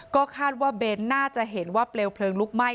ก็คาดว่าเบนท์น่าจะเห็นว่าเปลวเพลิงลุกไหม้